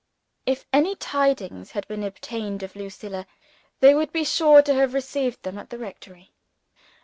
If any tidings had been obtained of Lucilla, they would be sure to have received them at the rectory.